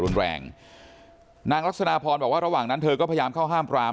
รุนแรงนางลักษณะพรบอกว่าระหว่างนั้นเธอก็พยายามเข้าห้ามปราม